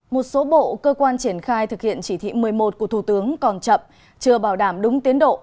một số bộ cơ quan triển khai thực hiện chỉ thị một mươi một của thủ tướng còn chậm chưa bảo đảm đúng tiến độ